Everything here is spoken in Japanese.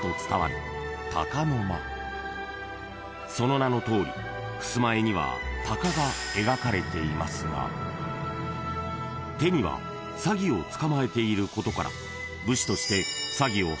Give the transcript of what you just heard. ［その名のとおりふすま絵には鷹が描かれていますが手にはサギを捕まえていることから武士として］